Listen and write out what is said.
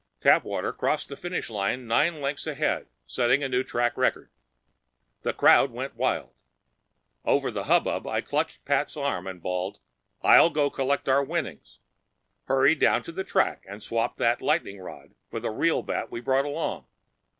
Tapwater crossed the finish line nine lengths ahead, setting a new track record. The crowd went wild. Over the hubbub I clutched Pat's arm and bawled, "I'll go collect our winnings. Hurry down to the track and swap that lightening rod for the real bat we brought along.